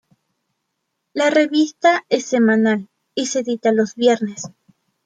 La revista es semanal y se edita los viernes.